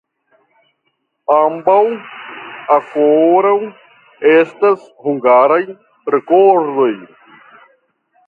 Ambaŭ ankoraŭ estas hungaraj rekordoj.